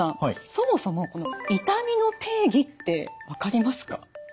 そもそも痛みの定義って分かりますか？